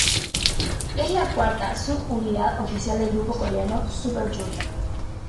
Es la cuarta sub-unidad oficial del grupo coreano Super Junior.